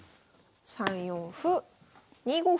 ３四歩２五歩。